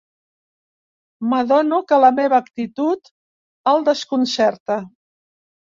M'adono que la meva actitud el desconcerta.